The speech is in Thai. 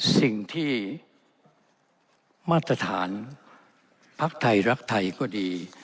สิ่งที่มาตรฐานพักไทยรักไทยก็ดี